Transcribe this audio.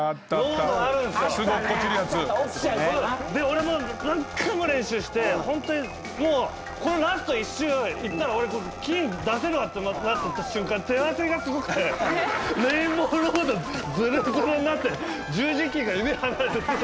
俺、もう、何回も練習して本当に、もうこのラスト１周いったら俺、金出せるわってなった瞬間手汗がすごくてレインボーロードズルズルになって十字キーが指離れて。